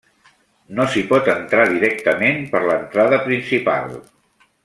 No s'hi pot entrar directament per l'entrada principal.